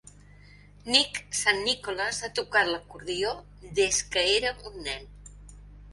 Nick Saint Nicholas ha tocat l'acordió des que era un nen.